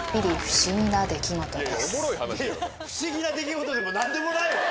不思議な出来事でも何でもないわ。